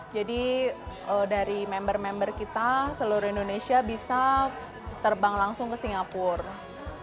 jadi dari member member kita seluruh indonesia bisa terbang langsung ke singapura